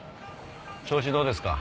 調子どうですか？